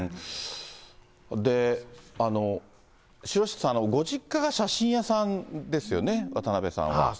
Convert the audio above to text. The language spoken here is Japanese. で、城下さん、ご実家が写真屋さんですよね、渡辺さんは。